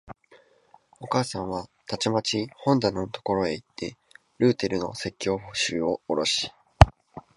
お母さんはたちまち本棚のところへいって、ルーテルの説教集をおろし、